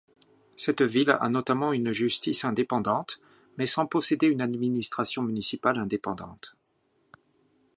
Cette ville a notamment une justice indépendante, mais sans posséder une administration municipale indépendante.